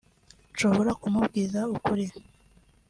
nshobora kumubwiza ukuri